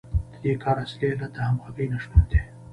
د دې کار اصلي علت د همغږۍ نشتون دی